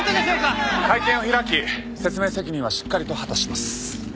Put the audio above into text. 会見を開き説明責任はしっかりと果たします。